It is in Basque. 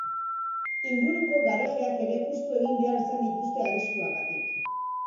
Inguruko garajeak ere uztu egin behar izan dituzte arriskuagatik.